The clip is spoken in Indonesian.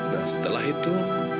nah setelah itu